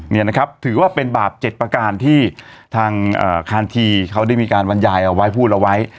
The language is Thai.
นี่นะครับถือว่าเป็นบาป๗ประการที่ทางคานทีเขาได้มีการบรรยายเอาไว้พูดเอาไว้